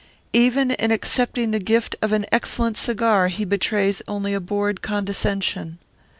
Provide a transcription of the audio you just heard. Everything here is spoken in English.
Even in accepting the gift of an excellent cigar he betrays only a bored condescension.